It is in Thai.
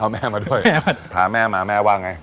แม่มาด้วยพาแม่มาแม่ว่าไง